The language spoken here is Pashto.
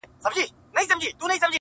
چي د شپې به مړی ښخ سو په کفن کي!!